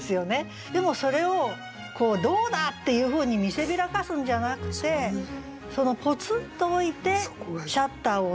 でもそれをどうだ！っていうふうに見せびらかすんじゃなくてポツンと置いてシャッターを押した。